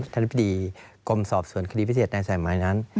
ท่านอธิบดีกรมสอบสวนคดีพิเศษในสายหมายนั้น